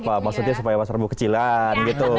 apa maksudnya supaya mas prabu kecilan gitu